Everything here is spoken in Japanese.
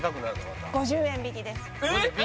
５０円引きです・えっ